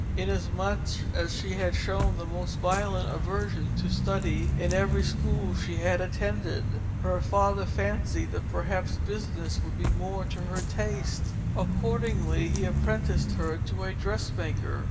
Inasmuch as she had shown the most violent aversion to study in every school she had attended, her father fancied that perhaps business would be more to her taste. Accordingly he apprenticed her to a dressmaker.